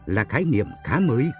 là khái niệm khá mới